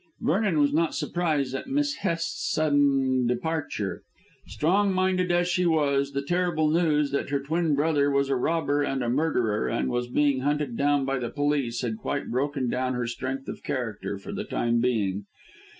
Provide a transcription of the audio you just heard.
Vernon was not surprised at Miss Hest's sudden departure. Strong minded as she was, the terrible news that her twin brother was a robber and a murderer and was being hunted down by the police had quite broken down her strength of character for the time being.